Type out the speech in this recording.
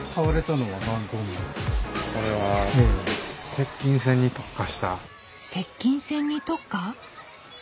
「接近戦に特化」？